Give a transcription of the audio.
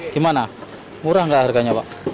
gimana murah gak harganya pak